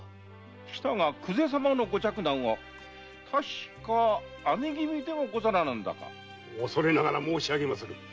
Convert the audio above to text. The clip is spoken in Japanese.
したが久世様の御嫡男は確か兄君ではござらなんだか？恐れながら申し上げまする。